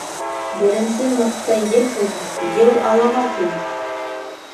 Беренсе мартта ел булһа, йыл алама килер.